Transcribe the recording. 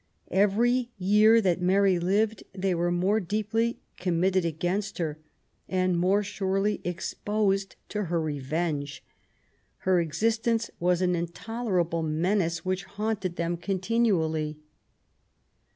Every year that Mary lived they were more deeply committed against her, and most surely exposed to her revenge. Her existence was an intolerable menace which haunted them con tinually.